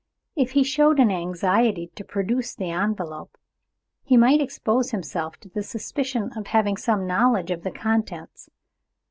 If he showed any anxiety to produce the envelope, he might expose himself to the suspicion of having some knowledge of the contents.